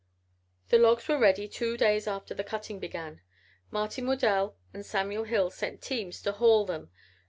The logs were ready two days after the cutting began. Martin Waddell and Samuel Hill sent teams to haul them.